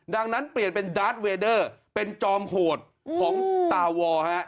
ดังนั้นเปลี่ยนเป็นดาร์ดเวเดอร์เป็นจอมโหดของตาวอฮะ